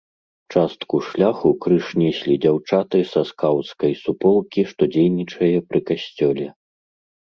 Частку шляху крыж неслі дзяўчаты са скаўцкай суполкі, што дзейнічае пры касцёле.